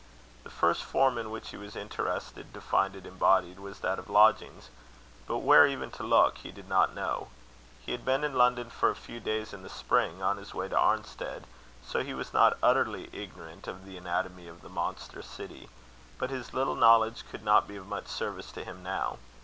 The first form in which he was interested to find it embodied, was that of lodgings; but where even to look, he did not know. He had been in London for a few days in the spring on his way to Arnstead, so he was not utterly ignorant of the anatomy of the monster city; but his little knowledge could not be of much service to him now.